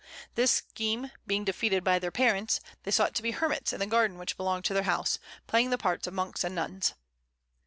This scheme being defeated by their parents, they sought to be hermits in the garden which belonged to their house, playing the part of monks and nuns.